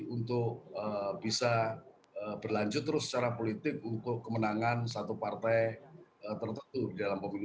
untuk bisa berlanjut terus secara politik untuk kemenangan satu partai tertentu dalam pemilu dua ribu dua puluh empat